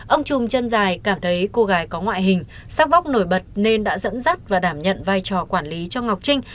ông trung chân dài cảm thấy cô gái có ngoại hình sắc vóc nổi bật nên đã dẫn dắt và đảm nhận vai trò quản lý cho ngọc trinh